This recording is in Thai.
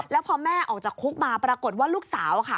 แล้วพอแม่ออกจากคุกมาปรากฏว่าลูกสาวค่ะ